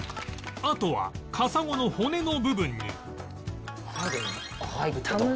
あとはカサゴの骨の部分に入るの？